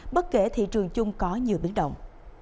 bất kể thị trường chung có nhiều biến động